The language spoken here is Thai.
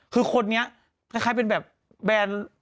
คือคนนี้คล้ายเป็นแบบแบน